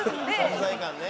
存在感ね。